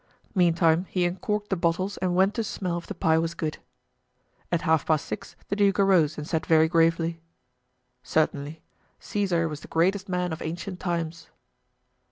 Meantime he uncorked the bottles and went to smell if the pie was good. At half past six the duke arose and said very gravely: "Certainly, Caesar was the greatest man of ancient times."